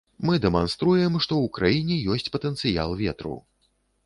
Мы дэманструем, што ў краіне ёсць патэнцыял ветру.